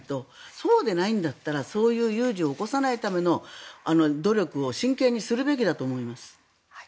そうでないんだったらそういう有事を起こさないための努力を真剣にするべきだと思います。